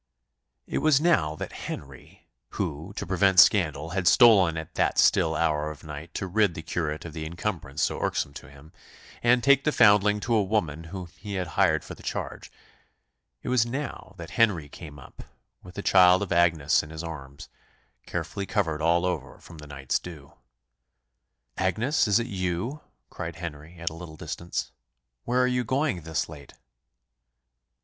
It was now that Henry, who, to prevent scandal, had stolen at that still hour of night to rid the curate of the incumbrance so irksome to him, and take the foundling to a woman whom he had hired for the charge it was now that Henry came up, with the child of Agnes in his arms, carefully covered all over from the night's dew. "Agnes, is it you?" cried Henry, at a little distance. "Where are you going thus late?"